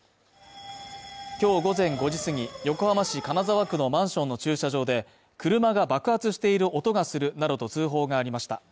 今日午前５時過ぎ、横浜市金沢区のマンションの駐車場で車が爆発している音がするなどと通報がありました。